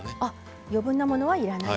余分なものはいらない。